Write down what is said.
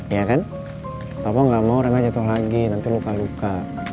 iya kan papa gak mau rena jatuh lagi nanti luka luka